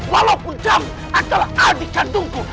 walaupun jam adalah adik kandungku